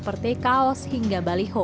seperti kaos hingga baliho